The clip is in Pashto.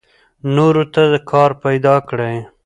نورو ته کار پیدا کړئ.